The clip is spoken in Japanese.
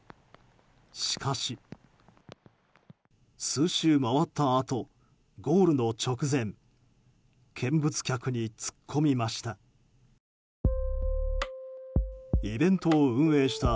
しかし、数周回ったあとゴールの直前見物客に突っ込みました。